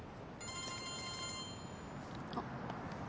あっ。